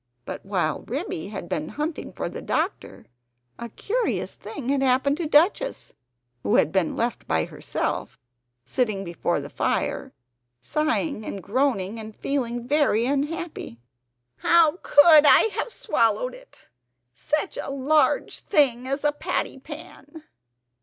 But while Ribby had been hunting for the doctor a curious thing had happened to Duchess, who had been left by herself, sitting before the fire, sighing and groaning and feeling very unhappy. "How COULD I have swallowed it! such a large thing as a patty pan!"